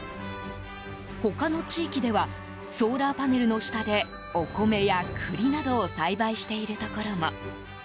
他の地域ではソーラーパネルの下でお米や栗などを栽培しているところも。